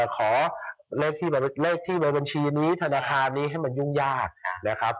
ขอเลขที่ในบัญชีนี้ธนาคารนี้ให้มันยุ่งยากนะครับ